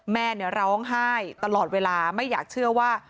แม่ร้องไห้ตลอดเวลาไม่อยากเชื่อว่า